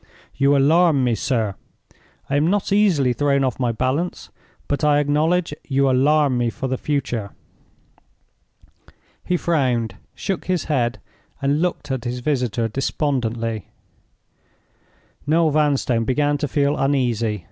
You alarm me, sir! I am not easily thrown off my balance, but I acknowledge you alarm me for the future." He frowned, shook his head, and looked at his visitor despondently. Noel Vanstone began to feel uneasy.